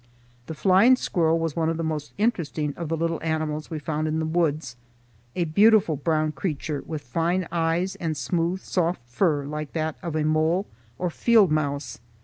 The flying squirrel was one of the most interesting of the little animals we found in the woods, a beautiful brown creature, with fine eyes and smooth, soft fur like that of a mole or field mouse.